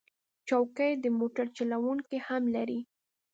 چوکۍ د موټر چلونکي هم لري.